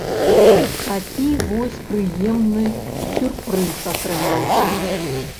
Такі вось прыемны сюрпрыз атрымаўся.